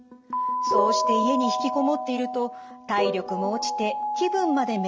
そうして家に引きこもっていると体力も落ちて気分まで滅入ってしまう。